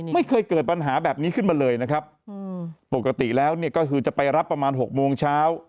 ไม่เคยเกิดปัญหาแบบนี้ขึ้นมาเลยนะครับปกติแล้วเนี่ยก็คือจะไปรับประมาณ๖โมงเช้า